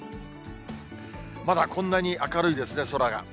まだこんなに明るいですね、空が。